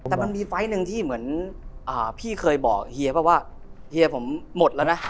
แต่มันมีไฟล์หนึ่งที่เหมือนพี่เคยบอกเฮียป่ะว่าเฮียผมหมดแล้วนะ